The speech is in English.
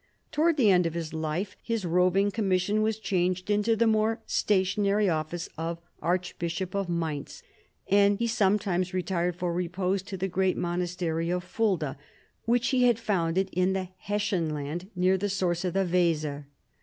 Towards the end of his life his roving commission was changed into the more stationary office of Archbishop of Mainz, and he some times retired for repose to the gi*eat monastery of Fulda, which he had founded in the Hessian land near the source of the Weser.